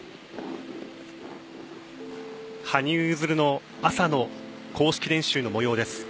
羽生結弦の朝の公式練習のもようです。